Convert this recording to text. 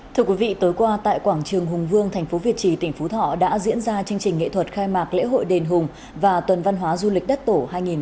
thưa quý vị tối qua tại quảng trường hùng vương thành phố việt trì tỉnh phú thọ đã diễn ra chương trình nghệ thuật khai mạc lễ hội đền hùng và tuần văn hóa du lịch đất tổ hai nghìn hai mươi bốn